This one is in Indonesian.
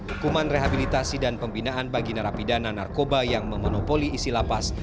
hukuman rehabilitasi dan pembinaan bagi narapidana narkoba yang memonopoli isi lapas